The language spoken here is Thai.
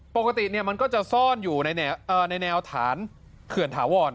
ปกติมันก็จะซ่อนอยู่ในแนวฐานเขื่อนถาวร